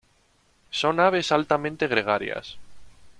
Son aves altamente gregarias.